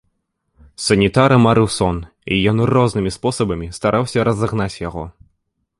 Санітара марыў сон, і ён рознымі спосабамі стараўся разагнаць яго.